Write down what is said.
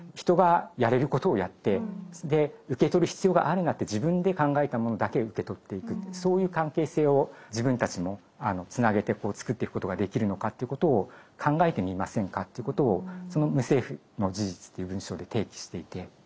人がやれることをやってで受け取る必要があるなって自分で考えたものだけ受け取っていくってそういう関係性を自分たちもつなげて作っていくことができるのかということを考えてみませんかということをその「無政府の事実」という文章で提起していて。